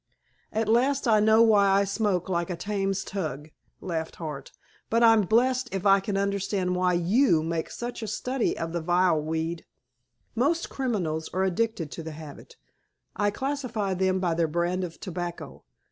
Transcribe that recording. "At last I know why I smoke like a Thames tug," laughed Hart, "but I'm blest if I can understand why you make such a study of the vile weed." "Most criminals are addicted to the habit. I classify them by their brand of tobacco.